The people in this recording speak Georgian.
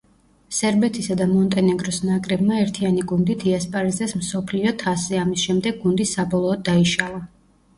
სერბეთისა და მონტენეგროს ნაკრებმა ერთიანი გუნდით იასპარეზეს მსოფლიო თასზე ამის შემდეგ გუნდი საბოლოოდ დაიშალა.